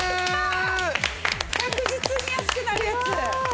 確実に安くなるやつ。